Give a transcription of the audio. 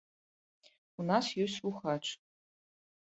У нас ёсць слухач.